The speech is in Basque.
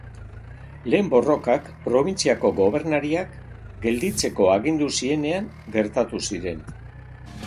Lehen borrokak, probintziako gobernariak, gelditzeko agindu zienean gertatu ziren.